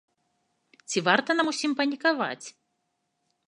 Ці варта нам усім панікаваць?